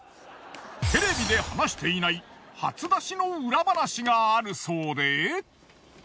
テレビで離していない初出しの裏話があるそうで。